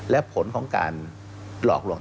และผลของการหลอกหล่น